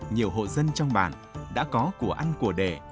nhiều hộ dân trong bản đã có của ăn của đệ